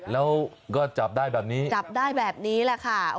แล้วก็จับได้แบบนี้จับได้แบบนี้แหละค่ะ